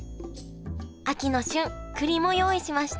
秋の旬くりも用意しました